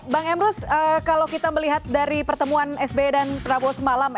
bang emrus kalau kita melihat dari pertemuan sby dan prabowo semalam